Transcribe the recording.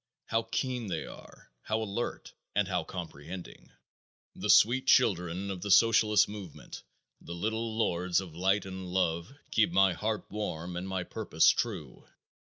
How keen they are, how alert, and how comprehending! The sweet children of the Socialist movement the little lords of light and love keep my heart warm and my purpose true.